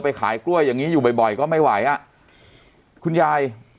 ขายกล้วยอย่างงี้อยู่บ่อยบ่อยก็ไม่ไหวอ่ะคุณยาย